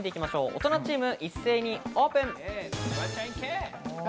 大人チーム、一斉に解答オープン。